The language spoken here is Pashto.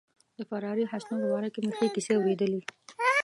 د فراري حسنو په باره کې مې ښې کیسې اوریدلي.